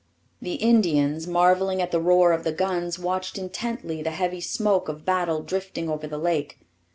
The Indians, marvelling at the roar of the guns, watched intently the heavy smoke of battle drifting over the lake.